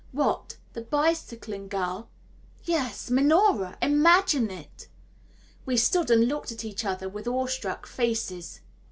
"What the bicycling girl?" "Yes Minora imagine it!" We stood and looked at each other with awestruck faces.